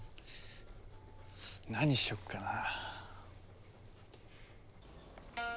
何しよっかなあ。